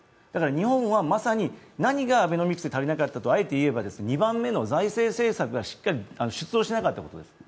日本はまさに、何がアベノミクスで足りなかったとあえて言えば２番目の財政政策がしっかり出動しなかったからです。